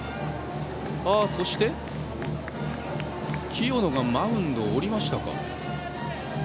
清野がマウンドを降りましたか。